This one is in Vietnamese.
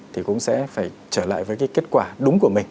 thì cũng sẽ phải trở lại với cái kết quả đúng của mình